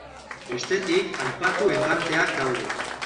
Bestetik, aipatu enkanteak daude.